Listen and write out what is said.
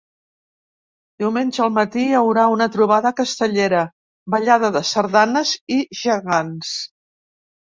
Diumenge al matí hi haurà una trobada castellera, ballada de sardanes i gegants.